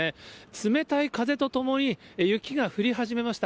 冷たい風とともに雪が降り始めました。